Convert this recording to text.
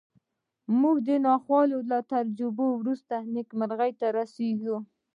موږ د ناخوالو له تجربې وروسته نېکمرغۍ ته رسېږو